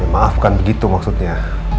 maaf bukan begitu maksudnya